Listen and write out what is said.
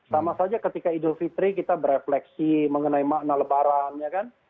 sama saja ketika idul fitri kita berefleksi mengenai makna lebaran ya kan